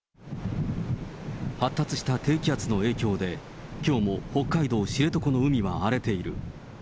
発達した低気圧の影響で、きょうも北海道知床の海は荒れている。